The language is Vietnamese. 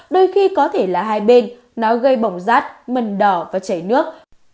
đôi khi có thể là hai bên nó gây bỏng rát mần đỏ và chảy nước